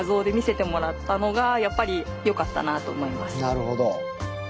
なるほど。